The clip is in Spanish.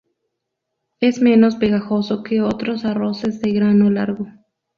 Es menos pegajoso que otros arroces de grano largo.